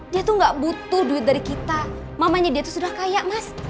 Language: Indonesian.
dia tuh gak butuh duit dari kita mamanya dia itu sudah kaya mas